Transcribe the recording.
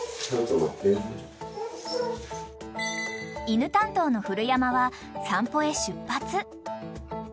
［犬担当の古山は散歩へ出発］